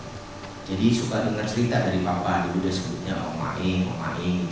jadi suka dengar cerita dari bapak dulu udah sebutnya om maing om maing